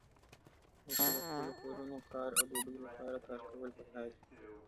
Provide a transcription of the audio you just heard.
موږ ته د خپلو کورونو، کار او ډوډۍ لپاره کار کول پکار دي.